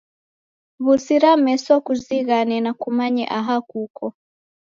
W'usira meso kuzighane na kumanye aha kuko.